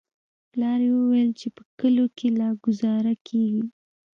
پلار يې ويل چې په کليو کښې لا گوزاره کېږي.